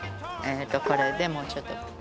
これでもうちょっと。